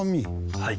はい。